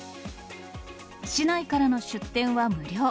市内からの出店は無料。